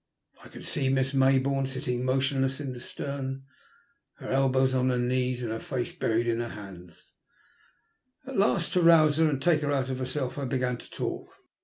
1 can see Miss Mayboume sitting motionless in the stem, her A BITTER DISAPPOINTMENT, 191 elbows on her knees and her face buried in her hands. At last to rouse her and take her out of herself, I began to talk.